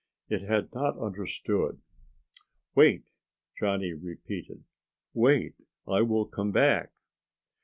It had not understood. "Wait," Johnny repeated. "Wait, I will come back."